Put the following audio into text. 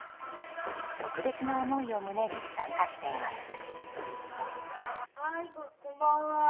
特別な思いを胸に参加していました。